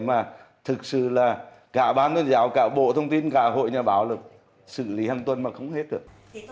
mà thực sự là cả ban tuyên giáo cả bộ thông tin cả hội nhà báo là xử lý hàng tuần mà không hết được